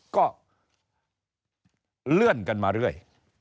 ก็เลื่อนกันมาเรื่อย